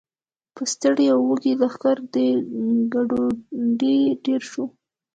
په ستړي او وږي لښکر کې ګډوډي ډېره شوه.